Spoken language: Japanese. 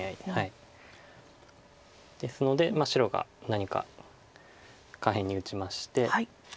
ですので白が何か下辺に打ちまして。